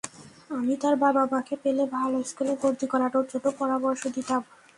আমি তার বাবা-মাকে পেলে ভালো স্কুলে ভর্তি করানোর জন্য পরামর্শ দিতাম।